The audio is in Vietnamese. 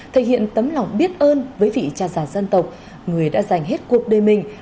thể hiện tấm lòng biết ơn với vị cha già dân tộc người đã dành hết cuộc đời mình